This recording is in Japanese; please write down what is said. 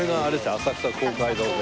浅草公会堂で。